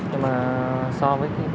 nhưng mà so với